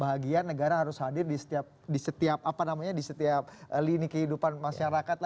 bahagia negara harus hadir di setiap lini kehidupan masyarakat